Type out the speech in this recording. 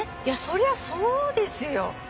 いやそりゃそうですよ。